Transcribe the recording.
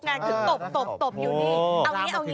งานธุ์ตบอยู่นี่